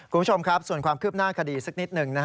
คุณผู้ชมครับส่วนความคืบหน้าคดีสักนิดหนึ่ง